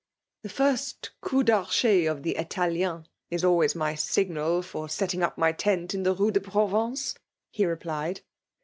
1; ^'< The fi^st .coup darchet of the ItalimM k always my signal for setting up my t^nt in the Rue de Proyence,'* he replied.